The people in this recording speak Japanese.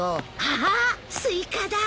ああっスイカだ！